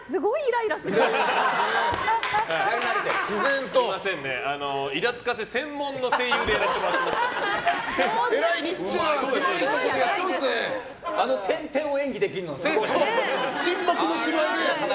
イラつかせ専門の声優でやらせてもらってますから。